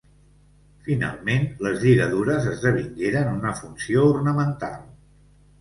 Finalment, les lligadures esdevingueren una funció ornamental.